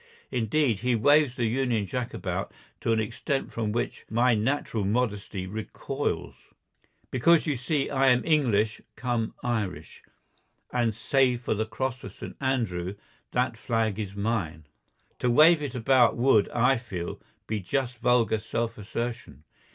Indeed, he waves the Union Jack about to an extent from which my natural modesty recoils. Because you see I am English cum Irish, and save for the cross of St. Andrew that flag is mine. To wave it about would, I feel, be just vulgar self assertion.